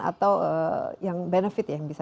atau yang benefit yang bisa